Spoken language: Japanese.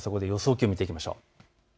気温を見ていきましょう。